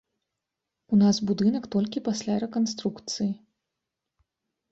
У нас будынак толькі пасля рэканструкцыі.